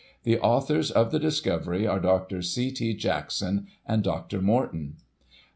The authors of the discovery are Dr. C. T. fackson and Dr. Morton. Dr.